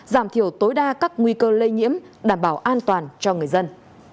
giảm thiểu tối đa các nguy cơ lây nhiễm đảm bảo an toàn cho người dân